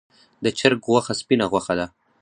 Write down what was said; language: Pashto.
د چرګ غوښه سپینه غوښه ده